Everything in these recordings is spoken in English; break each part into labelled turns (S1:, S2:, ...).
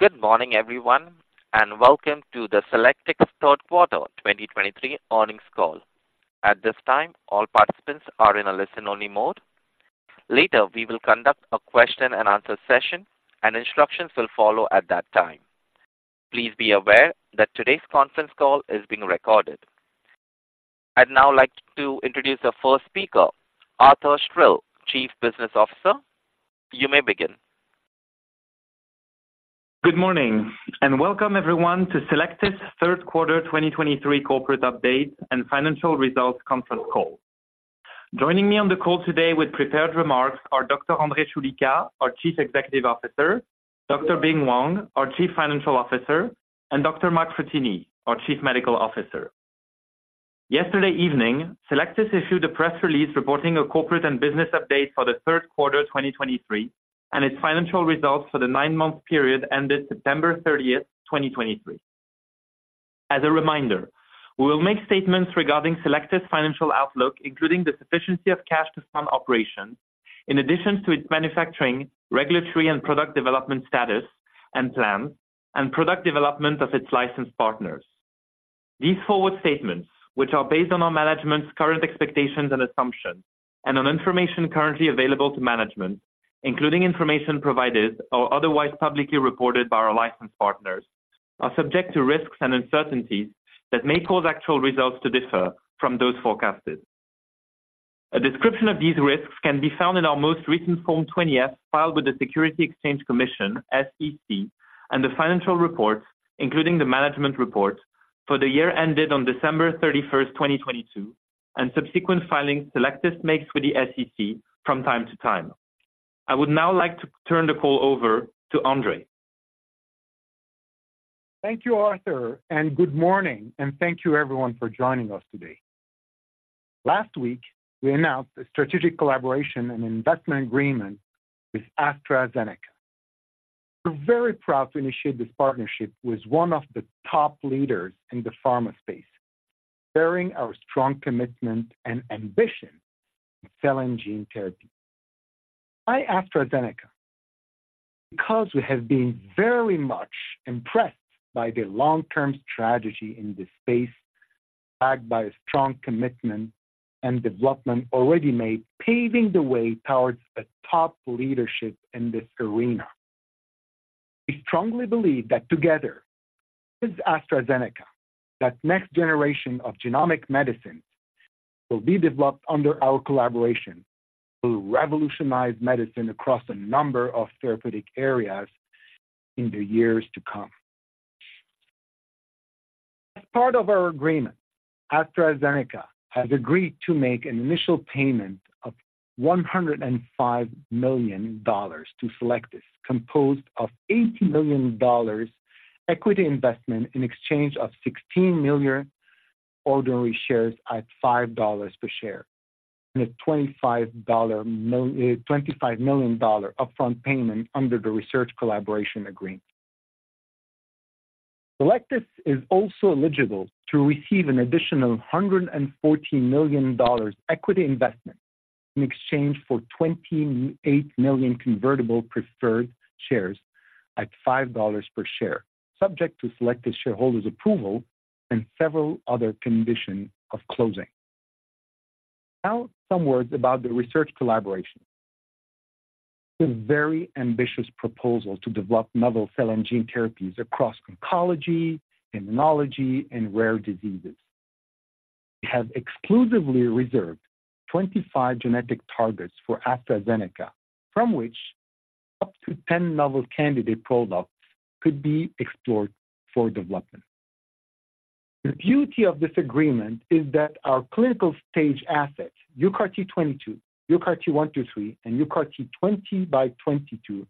S1: Good morning, everyone, and welcome to the Cellectis third quarter 2023 earnings call. At this time, all participants are in a listen-only mode. Later, we will conduct a question-and-answer session, and instructions will follow at that time. Please be aware that today's conference call is being recorded. I'd now like to introduce our first speaker, Arthur Stril, Chief Business Officer. You may begin.
S2: Good morning, and welcome everyone to Cellectis third quarter 2023 corporate update and financial results conference call. Joining me on the call today with prepared remarks are Dr. André Choulika, our Chief Executive Officer, Dr. Bing Wang, our Chief Financial Officer, and Dr. Mark Frattini, our Chief Medical Officer. Yesterday evening, Cellectis issued a press release reporting a corporate and business update for the third quarter 2023, and its financial results for the nine-month period ended September 30, 2023. As a reminder, we will make statements regarding Cellectis's financial outlook, including the sufficiency of cash to fund operations, in addition to its manufacturing, regulatory and product development status and plans, and product development of its licensed partners. These forward statements, which are based on our management's current expectations and assumptions and on information currently available to management, including information provided or otherwise publicly reported by our licensed partners, are subject to risks and uncertainties that may cause actual results to differ from those forecasted. A description of these risks can be found in our most recent Form 20-F, filed with the Securities and Exchange Commission, SEC, and the financial reports, including the management report for the year ended on December 31, 2022, and subsequent filings Cellectis makes with the SEC from time to time. I would now like to turn the call over to André.
S3: Thank you, Arthur, and good morning, and thank you everyone for joining us today. Last week, we announced a strategic collaboration and investment agreement with AstraZeneca. We're very proud to initiate this partnership with one of the top leaders in the pharma space, bearing our strong commitment and ambition in cell and gene therapy. Why AstraZeneca? Because we have been very much impressed by their long-term strategy in this space, backed by a strong commitment and development already made, paving the way towards a top leadership in this arena. We strongly believe that together with AstraZeneca, that next generation of genomic medicines will be developed under our collaboration, will revolutionize medicine across a number of therapeutic areas in the years to come. As part of our agreement, AstraZeneca has agreed to make an initial payment of $105 million to Cellectis, composed of $80 million equity investment in exchange of 16 million ordinary shares at $5 per share, and a $25 million upfront payment under the research collaboration agreement. Cellectis is also eligible to receive an additional $114 million equity investment in exchange for 28 million convertible preferred shares at $5 per share, subject to Cellectis shareholders' approval and several other conditions of closing. Now, some words about the research collaboration. It's a very ambitious proposal to develop novel cell and gene therapies across oncology, immunology, and rare diseases. We have exclusively reserved 25 genetic targets for AstraZeneca, from which up to 10 novel candidate products could be explored for development. The beauty of this agreement is that our clinical-stage assets, UCART22, UCART123, and UCART20x22,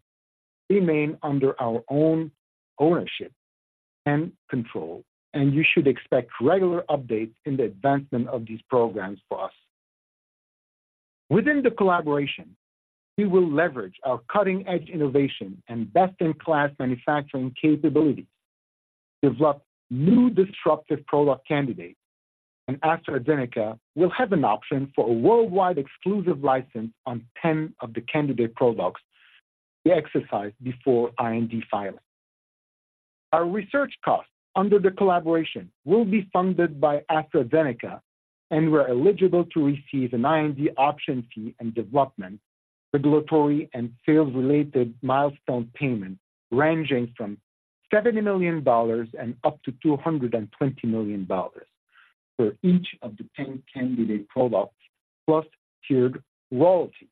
S3: remain under our own ownership and control, and you should expect regular updates in the advancement of these programs for us. Within the collaboration, we will leverage our cutting-edge innovation and best-in-class manufacturing capabilities to develop new disruptive product candidates, and AstraZeneca will have an option for a worldwide exclusive license on 10 of the candidate products to be exercised before IND filing. Our research costs under the collaboration will be funded by AstraZeneca, and we're eligible to receive an IND option fee and development, regulatory, and sales-related milestone payments ranging from $70 million and up to $220 million for each of the 10 candidate products, plus tiered royalties.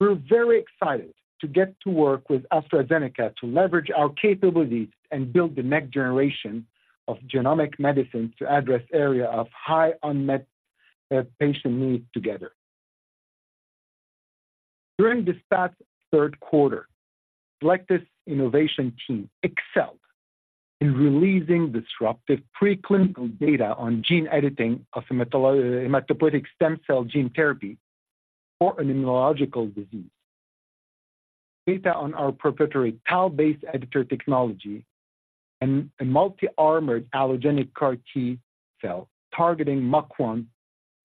S3: We're very excited to get to work with AstraZeneca to leverage our capabilities and build the next generation of genomic medicines to address area of high unmet patient needs together. During this past third quarter, Cellectis' innovation team excelled in releasing disruptive preclinical data on gene editing of hematologic stem cell gene therapy for an immunological disease. Data on our proprietary TAL-based editor technology and a multi-armored allogeneic CAR T cell targeting MUC1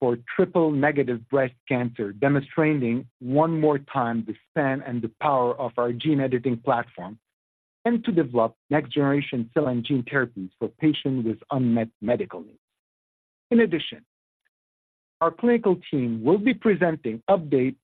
S3: for triple-negative breast cancer, demonstrating one more time the span and the power of our gene editing platform, and to develop next-generation cell and gene therapies for patients with unmet medical needs. In addition, our clinical team will be presenting updates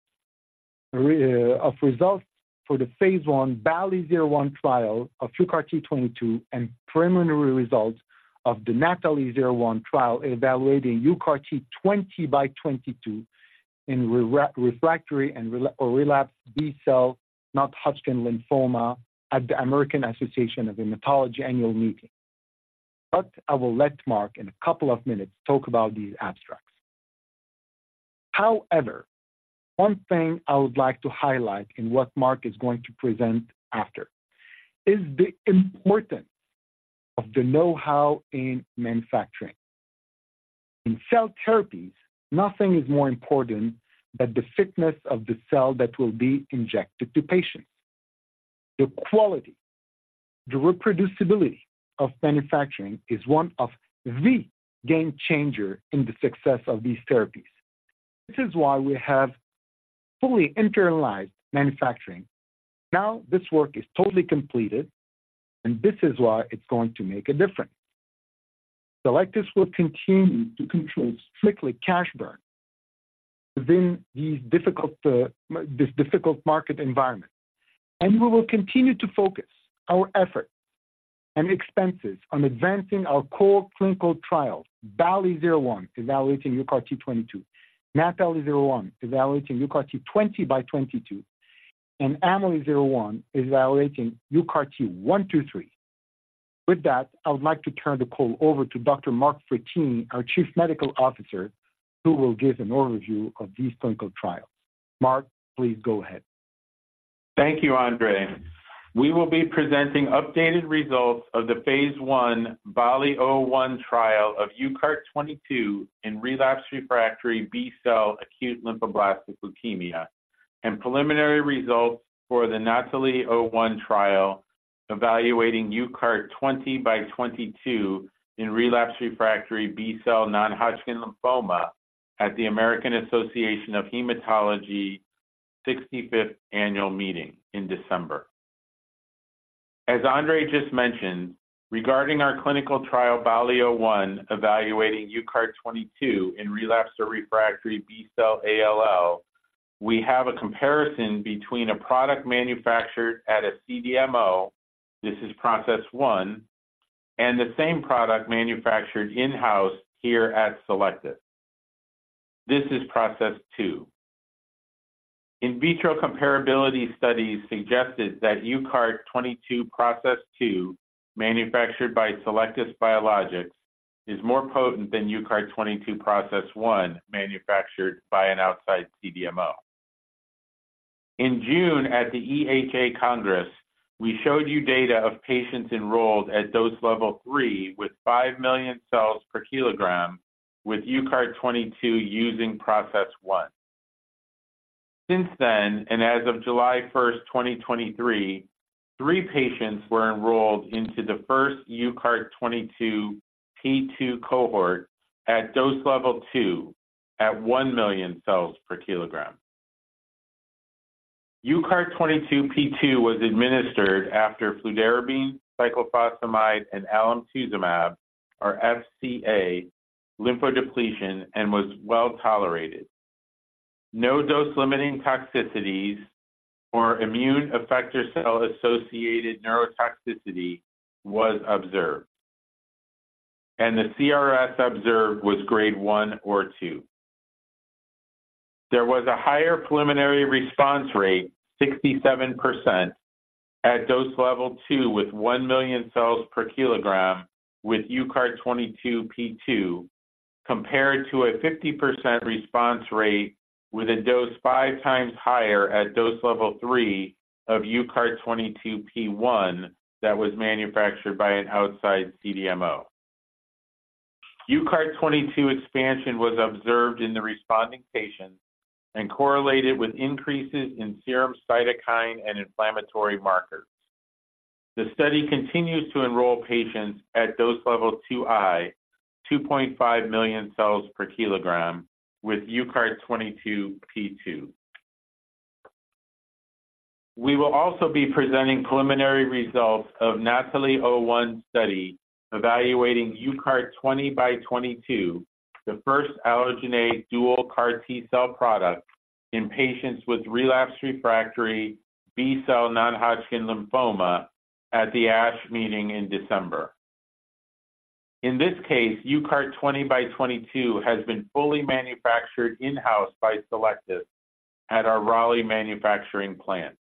S3: of results for the phase 1 BALLI-01 trial of UCART22 and preliminary results of the NATHALI-01 trial evaluating UCART20x22 in relapsed/refractory and relapsed or refractory B-cell non-Hodgkin lymphoma at the American Society of Hematology annual meeting. I will let Mark, in a couple of minutes, talk about these abstracts. However, one thing I would like to highlight in what Mark is going to present after is the importance of the know-how in manufacturing. In cell therapies, nothing is more important than the fitness of the cell that will be injected to patients. The quality, the reproducibility of manufacturing is one of the game changer in the success of these therapies. This is why we have fully internalized manufacturing. Now, this work is totally completed, and this is why it's going to make a difference. So like this, we'll continue to control strictly cash burn within these difficult, this difficult market environment, and we will continue to focus our effort and expenses on advancing our core clinical trials. BALLI-01, evaluating UCART22, NATHALI-01, evaluating UCART20x22, and AMELI-01, evaluating UCART123. With that, I would like to turn the call over to Dr. Mark Frattini, our Chief Medical Officer, who will give an overview of these clinical trials. Mark, please go ahead.
S4: Thank you, André. We will be presenting updated results of the phase 1 BALLI-01 trial of UCART22 in relapsed/refractory B-cell acute lymphoblastic leukemia, and preliminary results for the NATHALI-01 trial, evaluating UCART20x22 in relapsed/refractory B-cell non-Hodgkin lymphoma at the American Society of Hematology 65th Annual Meeting in December. As André just mentioned, regarding our clinical trial, BALLI-01, evaluating UCART22 in relapsed or refractory B-cell ALL, we have a comparison between a product manufactured at a CDMO, this is process 1, and the same product manufactured in-house here at Cellectis. This is process 2. In vitro comparability studies suggested that UCART22 process 2, manufactured by Cellectis Biologics, is more potent than UCART22 process 1, manufactured by an outside CDMO. In June, at the EHA Congress, we showed you data of patients enrolled at dose level 3, with 5 million cells per kilogram with UCART22 using process 1. Since then, and as of July 1, 2023, 3 patients were enrolled into the first UCART22 P2 cohort at dose level 2, at 1 million cells per kilogram. UCART22 P2 was administered after fludarabine, cyclophosphamide, and alemtuzumab, or FCA lymphodepletion, and was well tolerated. No dose-limiting toxicities or immune effector cell-associated neurotoxicity was observed, and the CRS observed was grade 1 or 2. There was a higher preliminary response rate, 67%, at dose level 2 with 1 million cells per kilogram with UCART22 P2, compared to a 50% response rate with a dose 5 times higher at dose level 3 of UCART22 P1 that was manufactured by an outside CDMO. UCART22 expansion was observed in the responding patients and correlated with increases in serum cytokine and inflammatory markers. The study continues to enroll patients at dose level 2, 2.5 million cells per kilogram with UCART22 P2. We will also be presenting preliminary results of NATHALI-01 study evaluating UCART20x22, the first allogeneic dual CAR T cell product in patients with relapsed refractory B-cell non-Hodgkin lymphoma at the ASH meeting in December. In this case, UCART20x22 has been fully manufactured in-house by Cellectis at our Raleigh manufacturing plant.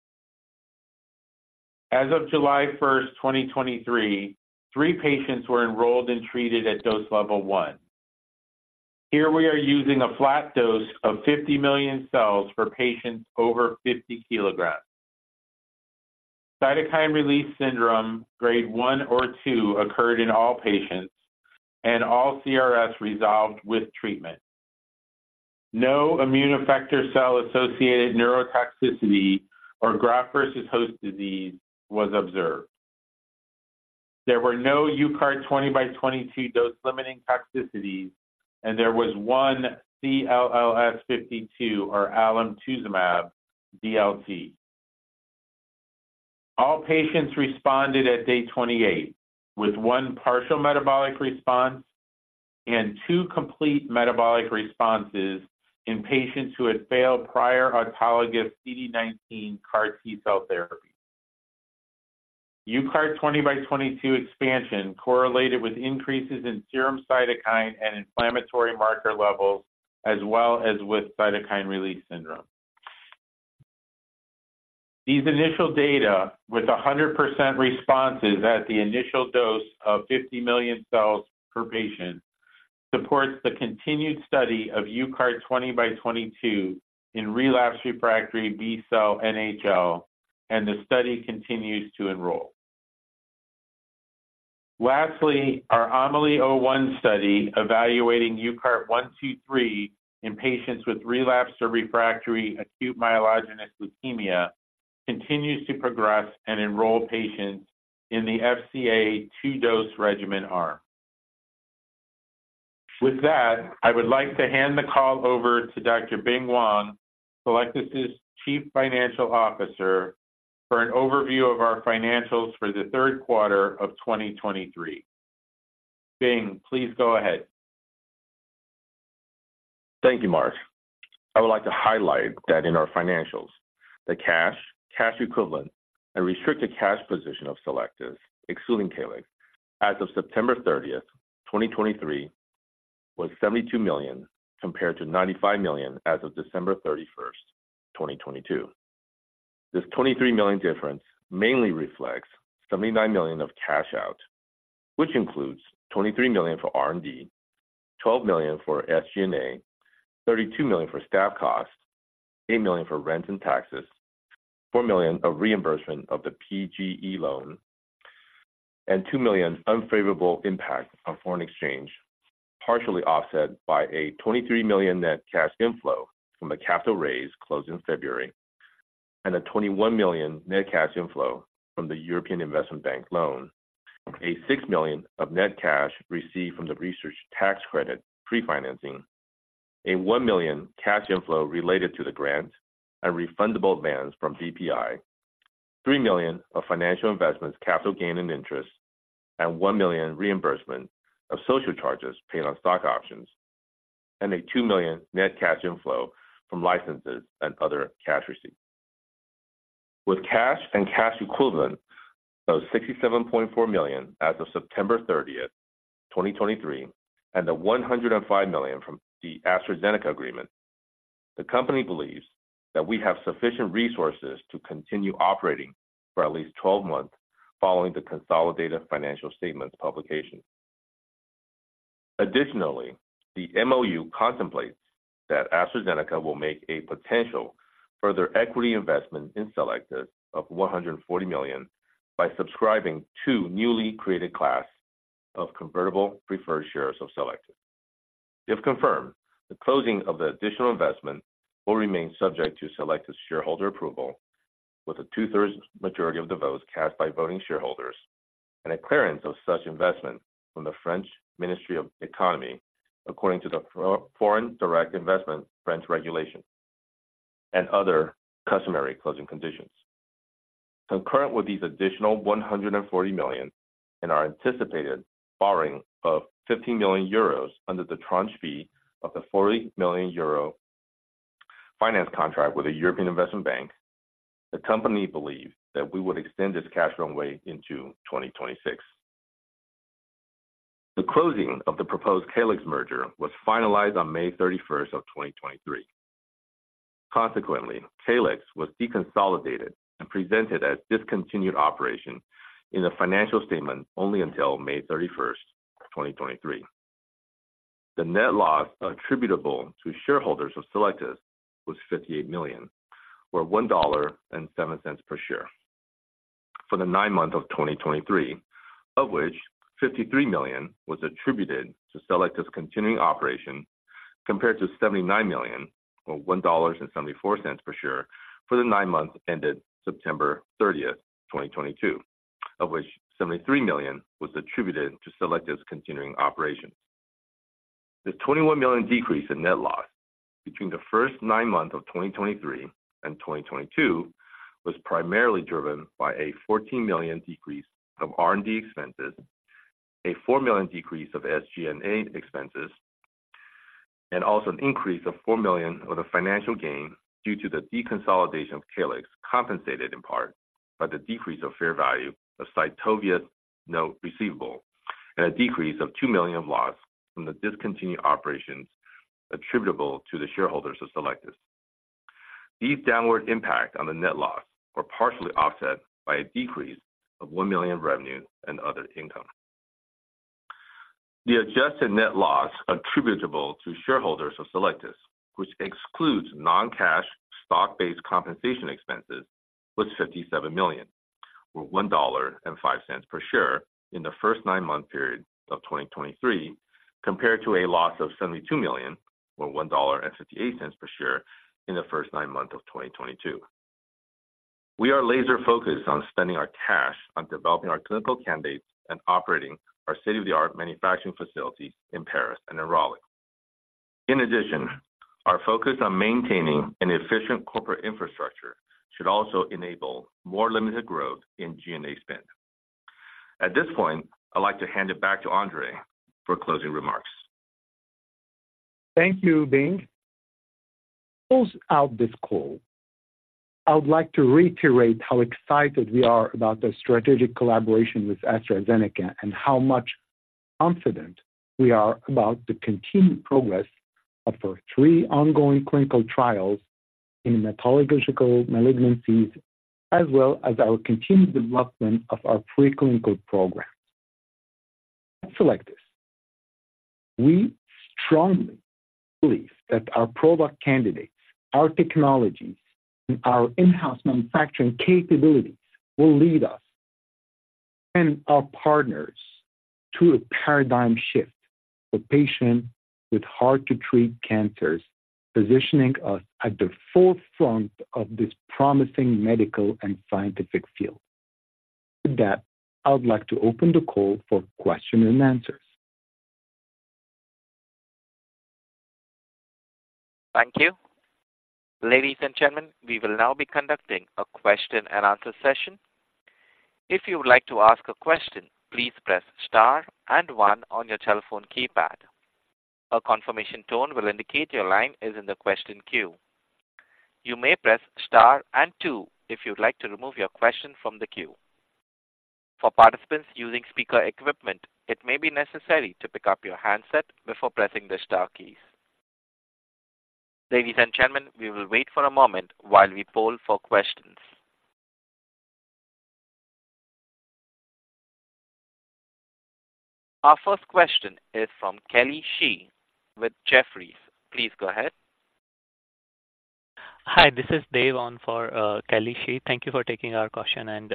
S4: As of July 1, 2023, 3 patients were enrolled and treated at dose level 1. Here, we are using a flat dose of 50 million cells for patients over 50 kilograms. Cytokine release syndrome, grade 1 or 2, occurred in all patients, and all CRS resolved with treatment. No immune effector cell-associated neurotoxicity or graft-versus-host disease was observed. There were no UCART20x22 dose-limiting toxicities, and there was one anti-CD52, or alemtuzumab, DLT. All patients responded at day 28, with 1 partial metabolic response and 2 complete metabolic responses in patients who had failed prior autologous CD19 CAR T cell therapy. UCART20x22 expansion correlated with increases in serum cytokine and inflammatory marker levels, as well as with cytokine release syndrome. These initial data, with 100% responses at the initial dose of 50 million cells per patient, supports the continued study of UCART20x22 in relapsed refractory B-cell NHL, and the study continues to enroll. Lastly, our AMELI-01 study, evaluating UCART123 in patients with relapsed or refractory acute myelogenous leukemia, continues to progress and enroll patients in the FCA 2-dose regimen arm. With that, I would like to hand the call over to Dr. Bing Wang, Cellectis' Chief Financial Officer, for an overview of our financials for the third quarter of 2023. Bing, please go ahead.
S5: Thank you, Mark. I would like to highlight that in our financials, the cash, cash equivalent, and restricted cash position of Cellectis, excluding Calyxt, as of September 30, 2023, was $72 million, compared to $95 million as of December 31, 2022. This $23 million difference mainly reflects $79 million of cash out, which includes $23 million for R&D, $12 million for SG&A, $32 million for staff costs, $8 million for rent and taxes, $4 million of reimbursement of the PGE loan, and $2 million unfavorable impact on foreign exchange, partially offset by a $23 million net cash inflow from the capital raise closed in February, and a $21 million net cash inflow from the European Investment Bank loan. $6 million of net cash received from the research tax credit pre-financing, $1 million cash inflow related to the grant, and refundable advances from VPI, $3 million of financial investments, capital gain, and interest, $1 million reimbursement of social charges paid on stock options, and $2 million net cash inflow from licenses and other cash receipts. With cash and cash equivalent, so $67.4 million as of September 30, 2023, and the $105 million from the AstraZeneca agreement, the company believes that we have sufficient resources to continue operating for at least 12 months following the consolidated financial statements publication. Additionally, the MOU contemplates that AstraZeneca will make a potential further equity investment in Cellectis of $140 million by subscribing to newly created class of convertible preferred shares of Cellectis. If confirmed, the closing of the additional investment will remain subject to Cellectis shareholder approval, with a two-thirds majority of the votes cast by voting shareholders and a clearance of such investment from the French Ministry of Economy, according to the foreign direct investment French regulation and other customary closing conditions. Concurrent with these additional $140 million and our anticipated borrowing of 50 million euros under the tranche B of the 40 million euro finance contract with the European Investment Bank, the company believes that we would extend this cash runway into 2026. The closing of the proposed Calyxt merger was finalized on May 31, 2023. Consequently, Calyxt was deconsolidated and presented as discontinued operation in the financial statement only until May 31, 2023. The net loss attributable to shareholders of Cellectis was $58 million, or $1.07 per share. For the nine months of 2023, of which $53 million was attributed to Cellectis continuing operation, compared to $79 million, or $1.74 per share, for the nine months ended September 30, 2022, of which $73 million was attributed to Cellectis continuing operations. The $21 million decrease in net loss between the first nine months of 2023 and 2022 was primarily driven by a $14 million decrease of R&D expenses, a $4 million decrease of SG&A expenses, and also an increase of $4 million of the financial gain due to the deconsolidation of Calyxt, compensated in part by the decrease of fair value of Cytovia's note receivable, and a decrease of $2 million of loss from the discontinued operations attributable to the shareholders of Cellectis. These downward impacts on the net loss were partially offset by a decrease of $1 million in revenue and other income. The adjusted net loss attributable to shareholders of Cellectis, which excludes non-cash stock-based compensation expenses, was $57 million... or $1.05 per share in the first nine-month period of 2023, compared to a loss of $72 million, or $1.58 per share, in the first nine months of 2022. We are laser-focused on spending our cash on developing our clinical candidates and operating our state-of-the-art manufacturing facilities in Paris and in Raleigh. In addition, our focus on maintaining an efficient corporate infrastructure should also enable more limited growth in G&A spend. At this point, I'd like to hand it back to André for closing remarks.
S3: Thank you, Bing. Close out this call. I would like to reiterate how excited we are about the strategic collaboration with AstraZeneca, and how much confident we are about the continued progress of our three ongoing clinical trials in hematological malignancies, as well as our continued development of our preclinical programs. At Cellectis, we strongly believe that our product candidates, our technologies, and our in-house manufacturing capabilities will lead us and our partners to a paradigm shift for patients with hard-to-treat cancers, positioning us at the forefront of this promising medical and scientific field. With that, I would like to open the call for question-and-answers.
S1: Thank you. Ladies and gentlemen, we will now be conducting a question-and-answer session. If you would like to ask a question, please press star and one on your telephone keypad. A confirmation tone will indicate your line is in the question queue. You may press star and two if you'd like to remove your question from the queue. For participants using speaker equipment, it may be necessary to pick up your handset before pressing the star keys. Ladies and gentlemen, we will wait for a moment while we poll for questions. Our first question is from Kelly Shi with Jefferies. Please go ahead.
S6: Hi, this is Dave on for Kelly Shi. Thank you for taking our question, and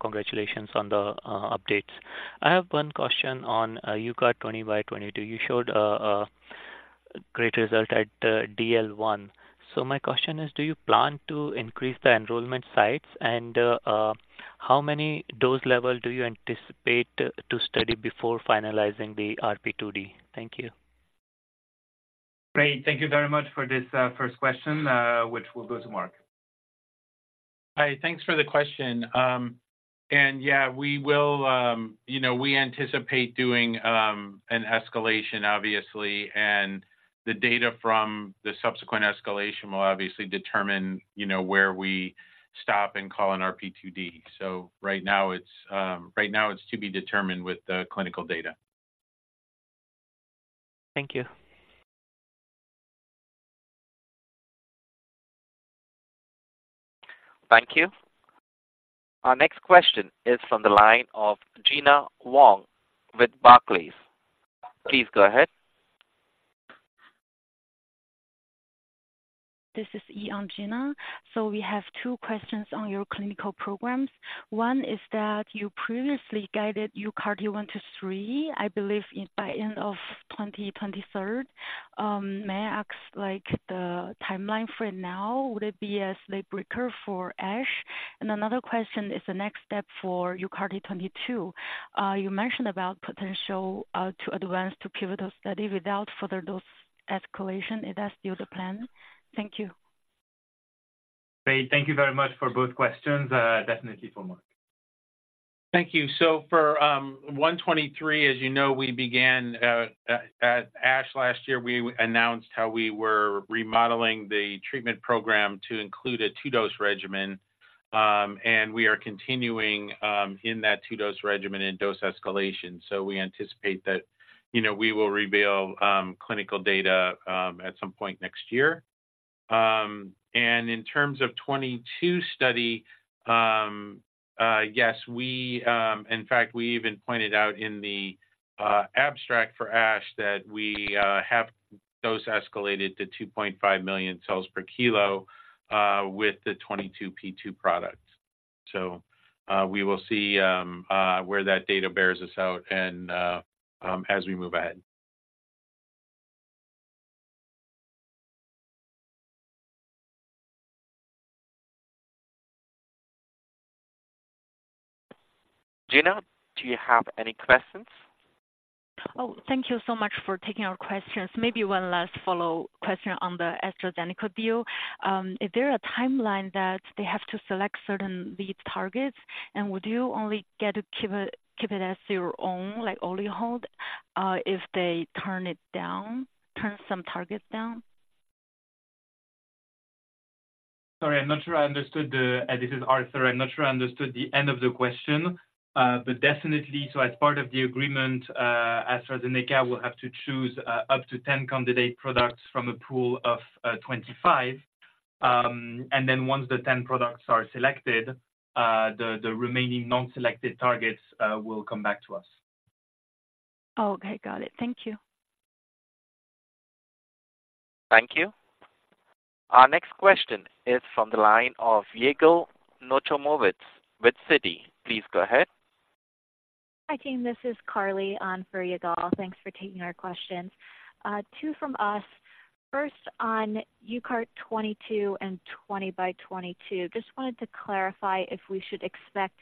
S6: congratulations on the updates. I have one question on UCART 20by20. You showed a great result at DL 1. So my question is, do you plan to increase the enrollment sites, and how many dose level do you anticipate to study before finalizing the RP2D? Thank you.
S3: Great. Thank you very much for this, first question, which will go to Mark.
S4: Hi, thanks for the question. Yeah, we will. You know, we anticipate doing an escalation, obviously, and the data from the subsequent escalation will obviously determine, you know, where we stop and call an RP2D. So right now, it's to be determined with the clinical data.
S6: Thank you.
S1: Thank you. Our next question is from the line of Gina Wang with Barclays. Please go ahead.
S7: This is Yi on Gina. So we have two questions on your clinical programs. One is that you previously guided UCART123, I believe, in by end of 2023. May I ask, like, the timeline for now, would it be as planned for ASH? And another question is the next step for UCART22. You mentioned about potential to advance to pivotal study without further dose escalation. Is that still the plan? Thank you.
S3: Great. Thank you very much for both questions, definitely for Mark.
S4: Thank you. So for UCART123, as you know, we began at ASH last year. We announced how we were remodeling the treatment program to include a two-dose regimen. We are continuing in that two-dose regimen in dose escalation. So we anticipate that, you know, we will reveal clinical data at some point next year. In terms of UCART22 study, yes, we, in fact, we even pointed out in the abstract for ASH that we have those escalated to 2.5 million cells per kilo with the UCART22 P2 product. So we will see where that data bears us out and as we move ahead.
S1: Gina, do you have any questions?
S8: Oh, thank you so much for taking our questions. Maybe one last follow-up question on the AstraZeneca deal. Is there a timeline that they have to select certain lead targets, and would you only get to keep it, keep it as your own, like, only hold, if they turn it down, turn some targets down?
S5: Sorry, I'm not sure I understood the end of the question. This is Arthur. I'm not sure I understood the end of the question. But definitely, so as part of the agreement, AstraZeneca will have to choose up to 10 candidate products from a pool of 25. And then once the 10 products are selected, the remaining non-selected targets will come back to us.
S8: Okay, got it. Thank you....
S1: Thank you. Our next question is from the line of Yigal Nochomovitz with Citi. Please go ahead.
S9: Hi, team. This is Carly on for Yigal. Thanks for taking our questions. Two from us. First, on you UCART22 and twenty by twenty-two, just wanted to clarify if we should expect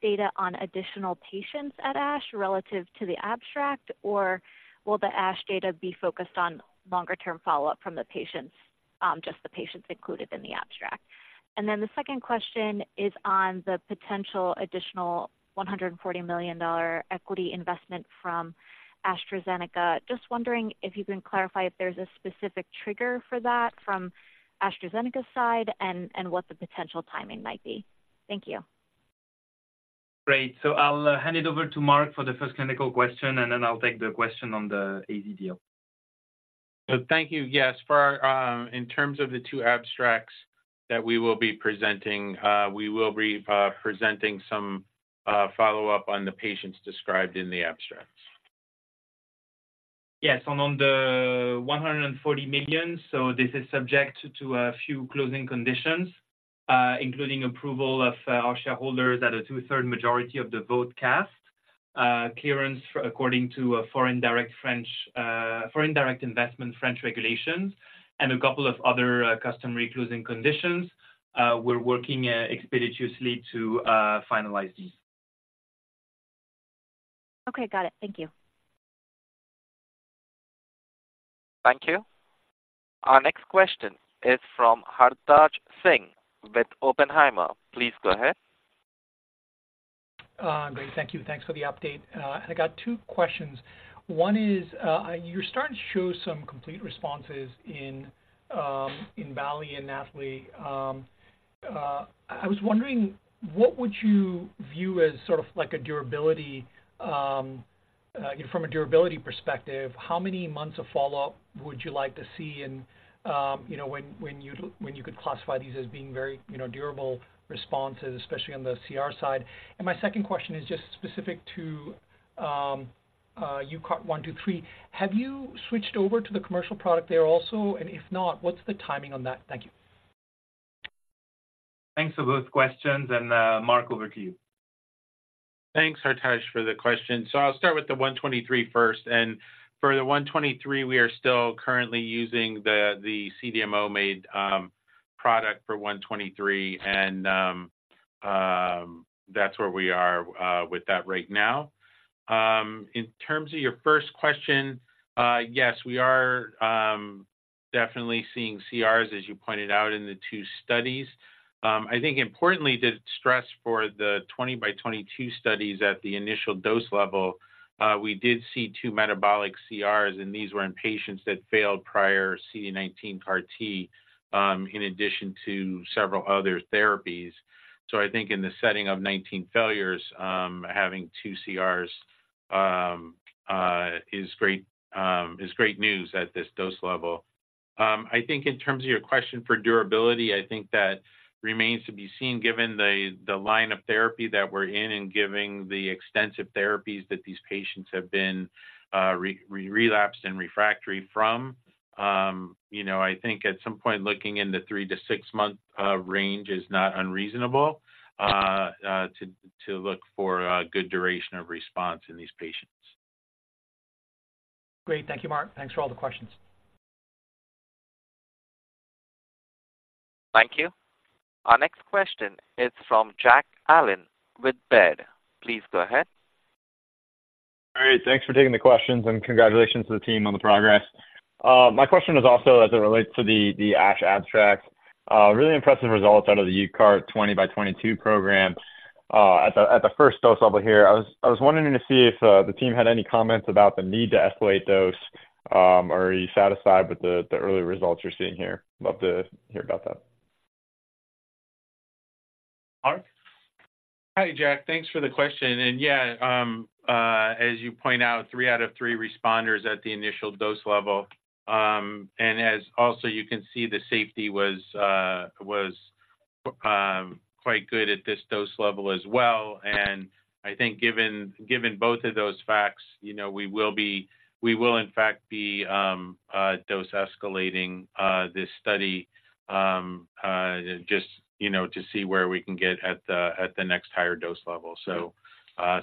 S9: data on additional patients at ASH relative to the abstract, or will the ASH data be focused on longer term follow-up from the patients, just the patients included in the abstract? And then the second question is on the potential additional $140 million equity investment from AstraZeneca. Just wondering if you can clarify if there's a specific trigger for that from AstraZeneca's side and, and what the potential timing might be. Thank you.
S2: Great. So I'll hand it over to Mark for the first clinical question, and then I'll take the question on the AZ deal.
S4: Thank you. Yes, in terms of the 2 abstracts that we will be presenting, we will be presenting some follow-up on the patients described in the abstracts.
S2: Yes. And on the $140 million, so this is subject to a few closing conditions, including approval of our shareholders at a two-thirds majority of the votes cast, clearance according to French foreign direct investment regulations, and a couple of other customary closing conditions. We're working expeditiously to finalize these.
S9: Okay, got it. Thank you.
S1: Thank you. Our next question is from Hartaj Singh with Oppenheimer. Please go ahead.
S10: Great. Thank you. Thanks for the update. I got two questions. One is, you're starting to show some complete responses in BALLI-01 and NATHALI-01. I was wondering, what would you view as sort of like a durability from a durability perspective, how many months of follow-up would you like to see in, you know, when you could classify these as being very durable responses, especially on the CR side? And my second question is just specific to UCART123. Have you switched over to the commercial product there also? And if not, what's the timing on that? Thank you.
S2: Thanks for both questions, and, Mark, over to you.
S4: Thanks, Hartaj, for the question. So I'll start with the 123 first, and for the 123, we are still currently using the CDMO-made product for 123, and that's where we are with that right now. In terms of your first question, yes, we are definitely seeing CRs, as you pointed out in the two studies. I think importantly, the results for the 20 by 22 studies at the initial dose level, we did see 2 metabolic CRs, and these were in patients that failed prior CD19 CAR T, in addition to several other therapies. So I think in the setting of 19 failures, having 2 CRs is great news at this dose level. I think in terms of your question for durability, I think that remains to be seen, given the line of therapy that we're in and given the extensive therapies that these patients have been relapsed and refractory from. You know, I think at some point, looking in the 3-6-month to look for a good duration of response in these patients.
S10: Great. Thank you, Mark. Thanks for all the questions.
S1: Thank you. Our next question is from Jack Allen with Baird. Please go ahead.
S11: All right. Thanks for taking the questions, and congratulations to the team on the progress. My question is also as it relates to the ASH abstract. Really impressive results out of the UCART twenty by twenty-two program at the first dose level here. I was wondering to see if the team had any comments about the need to escalate dose or are you satisfied with the early results you're seeing here? Love to hear aboutthat.
S2: Mark?
S4: Hi, Jack. Thanks for the question. And yeah, as you point out, three out of three responders at the initial dose level. And as also you can see, the safety was quite good at this dose level as well. And I think given both of those facts, you know, we will in fact be dose escalating this study, just, you know, to see where we can get at the next higher dose level. So,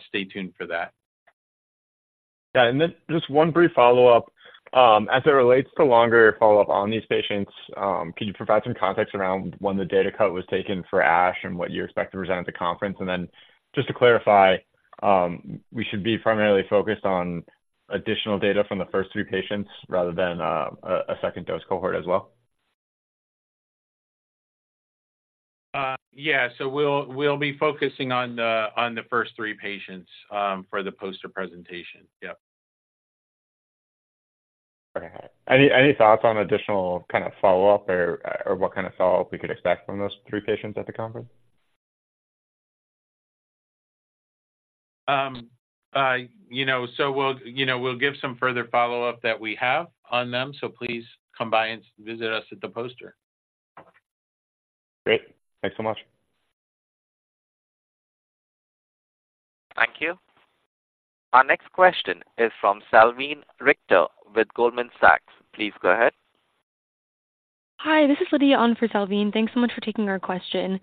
S4: stay tuned for that.
S11: Yeah. And then just one brief follow-up. As it relates to longer follow-up on these patients, could you provide some context around when the data cut was taken for ASH and what you expect to present at the conference? And then, just to clarify, we should be primarily focused on additional data from the first three patients rather than a second dose cohort as well?
S4: Yeah. So we'll be focusing on the first three patients for the poster presentation. Yep.
S11: Go ahead. Any thoughts on additional kind of follow-up or what kind of follow-up we could expect from those three patients at the conference?
S4: You know, so we'll, you know, we'll give some further follow-up that we have on them, so please come by and visit us at the poster.
S11: Great. Thanks so much....
S1: Thank you. Our next question is from Salveen Richter with Goldman Sachs. Please go ahead.
S12: Hi, this is Lydia on for Salveen. Thanks so much for taking our question.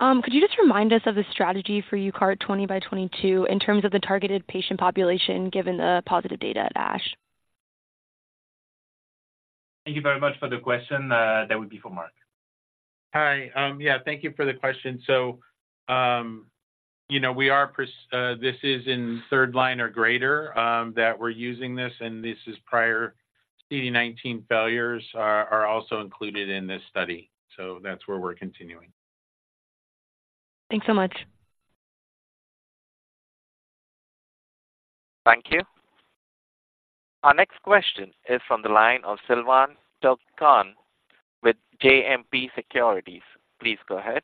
S12: Could you just remind us of the strategy for UCART20x22 in terms of the targeted patient population, given the positive data at ASH?
S2: Thank you very much for the question. That would be for Mark.
S4: Hi. Yeah, thank you for the question. So, you know, this is in third line or greater, that we're using this, and this is prior CD19 failures are also included in this study. So that's where we're continuing.
S13: Thanks so much.
S1: Thank you. Our next question is from the line of Silvan Tuerkcan with JMP Securities. Please go ahead.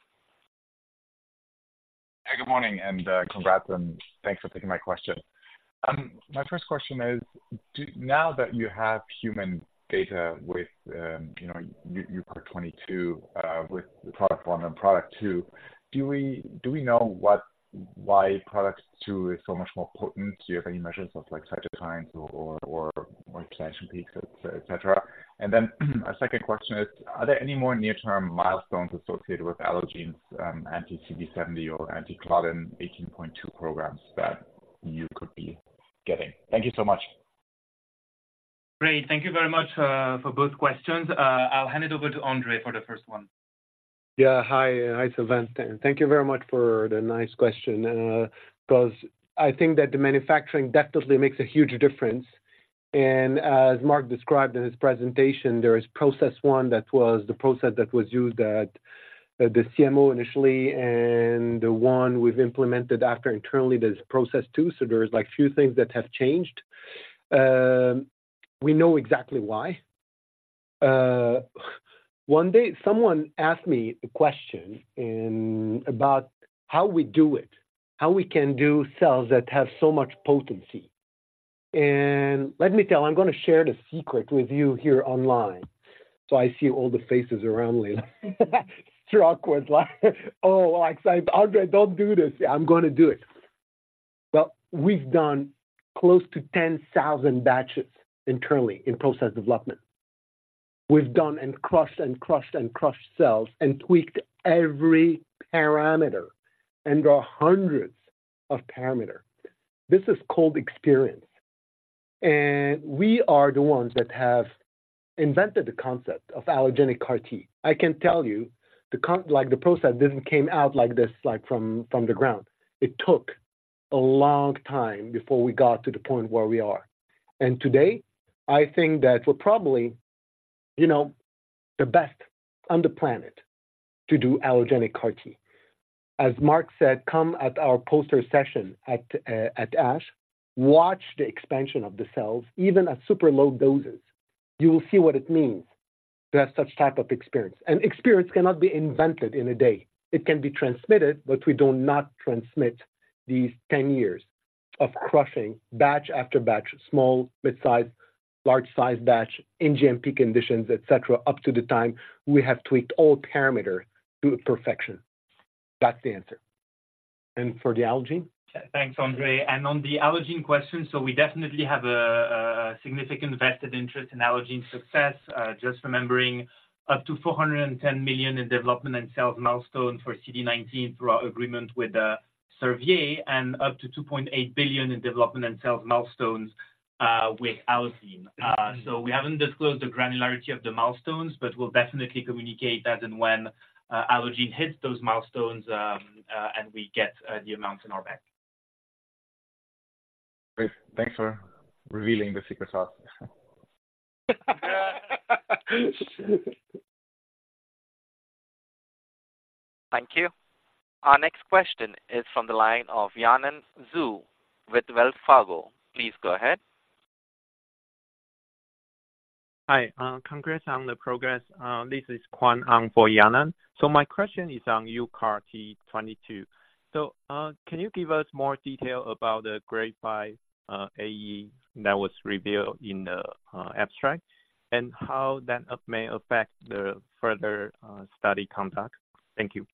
S14: Hi, good morning, and congrats, and thanks for taking my question. My first question is, now that you have human data with, you know, UCART22, with product one and product two, do we, do we know why product two is so much more potent? Do you have any measures of like cytokines or expansion peaks, et cetera? And then, a second question is, are there any more near-term milestones associated with Allogene's anti-CD70 or anti-Claudin 18.2 programs that you could be getting? Thank you so much.
S2: Great. Thank you very much for both questions. I'll hand it over to André for the first one.
S3: Yeah. Hi, hi, Silvan, and thank you very much for the nice question, because I think that the manufacturing definitely makes a huge difference. And as Mark described in his presentation, there is process one, that was the process that was used at, at the CMO initially, and the one we've implemented after internally, there's process two. So there is, like, few things that have changed. We know exactly why. One day, someone asked me a question and about how we do it, how we can do cells that have so much potency. And let me tell, I'm gonna share the secret with you here online. So I see all the faces around me, awkward, like, "Oh, like, André, don't do this." I'm gonna do it. Well, we've done close to 10,000 batches internally in process development. We've done and crushed and crushed and crushed cells and tweaked every parameter, and there are hundreds of parameter. This is called experience, and we are the ones that have invented the concept of allogeneic CAR T. I can tell you, like, the process didn't came out like this, like from the ground. It took a long time before we got to the point where we are. And today, I think that we're probably, you know, the best on the planet to do allogeneic CAR T. As Mark said, come at our poster session at ASH, watch the expansion of the cells, even at super low doses. You will see what it means to have such type of experience. And experience cannot be invented in a day. It can be transmitted, but we do not transmit these 10 years of crushing batch after batch, small, mid-size, large size batch in GMP conditions, et cetera, up to the time we have tweaked all parameter to perfection. That's the answer. And for the Allogene?
S2: Thanks, André. On the Allogene question, we definitely have a significant vested interest in Allogene's success. Just remembering up to $410 million in development and sales milestones for CD19 through our agreement with Servier and up to $2.8 billion in development and sales milestones with Allogene. So we haven't disclosed the granularity of the milestones, but we'll definitely communicate as and when Allogene hits those milestones and we get the amounts in our bank.
S14: Great. Thanks for revealing the secret sauce.
S2: Yeah.
S1: Thank you. Our next question is from the line of Yanan Zhu with Wells Fargo. Please go ahead.
S15: Hi, congrats on the progress. This is Kwan Ang for Yanan. So my question is on UCART22. So, can you give us more detail about the grade 5 AE that was revealed in the abstract, and how that may affect the further study conduct? Thank you.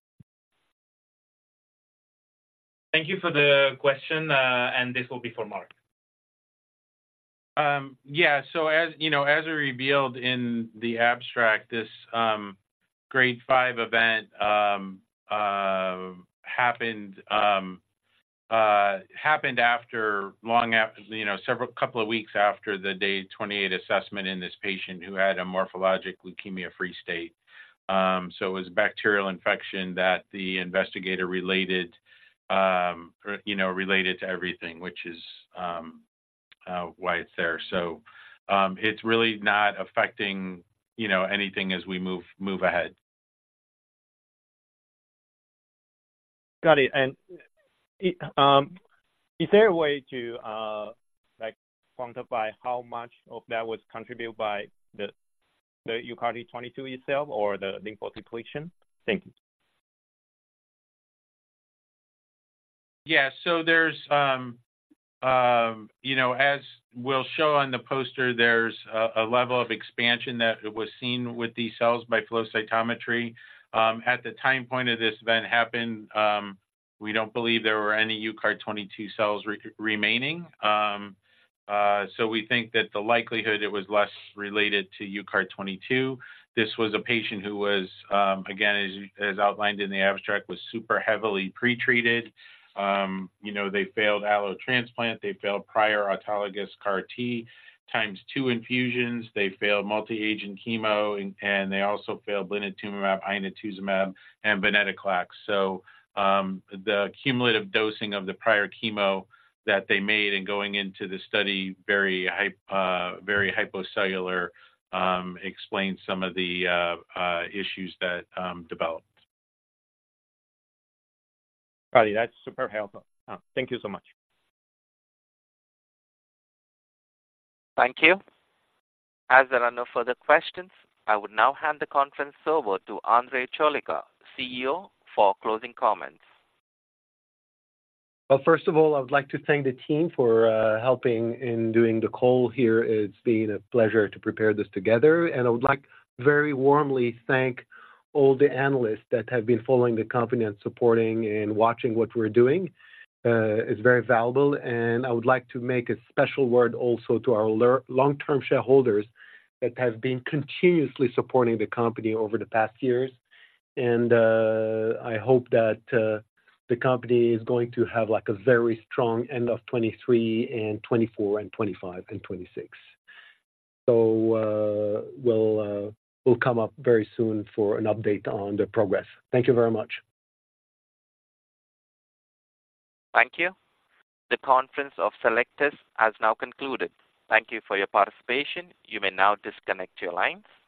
S2: Thank you for the question, and this will be for Mark.
S4: Yeah, so as you know, as we revealed in the abstract, this Grade 5 event happened long after, you know, several couple of weeks after the day 28 assessment in this patient who had a morphologic leukemia-free state. So it was a bacterial infection that the investigator related, you know, to everything, which is why it's there. So it's really not affecting, you know, anything as we move ahead.
S15: Got it. Is there a way to, like, quantify how much of that was contributed by the UCART22 itself or the lymphodepletion? Thank you.
S4: Yeah. So there's, you know, as we'll show on the poster, there's a level of expansion that was seen with these cells by flow cytometry. At the time point of this event happened, we don't believe there were any UCART22 cells remaining. So we think that the likelihood it was less related to UCART22. This was a patient who was, again, as outlined in the abstract, super heavily pretreated. You know, they failed allo transplant, they failed prior autologous CAR T times two infusions. They failed multi-agent chemo, and they also failed blinatumomab, inotuzumab, and venetoclax. So, the cumulative dosing of the prior chemo that they made in going into the study, very hypocellular, explains some of the issues that developed.
S3: Got it. That's super helpful. Thank you so much.
S1: Thank you. As there are no further questions, I would now hand the conference over to André Choulika, CEO, for closing comments.
S3: Well, first of all, I would like to thank the team for helping in doing the call here. It's been a pleasure to prepare this together, and I would like to very warmly thank all the analysts that have been following the company and supporting and watching what we're doing. It's very valuable, and I would like to make a special word also to our long-term shareholders that have been continuously supporting the company over the past years. I hope that the company is going to have, like, a very strong end of 2023 and 2024 and 2025 and 2026. We'll come up very soon for an update on the progress. Thank you very much.
S1: Thank you. The conference of Cellectis has now concluded. Thank you for your participation. You may now disconnect your lines.